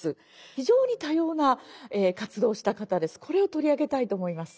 非常に多様な活動をした方です。